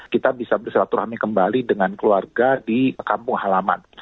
kita bisa bersilaturahmi kembali dengan keluarga di kampung halaman